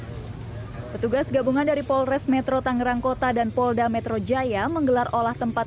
hai petugas gabungan dari polres metro tangerang kota dan polda metro jaya menggelar olah tempat